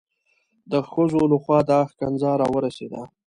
د ښځو لخوا دا ښکنځا را ورسېده.